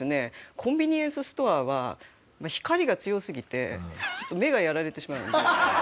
コンビニエンスストアは光が強すぎて目がやられてしまうんですよ。